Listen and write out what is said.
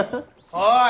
おい！